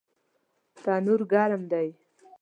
تنور ګرم دی